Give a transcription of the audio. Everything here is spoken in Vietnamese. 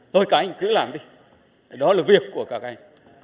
tôi các anh cứ làm đi đó là việc của các anh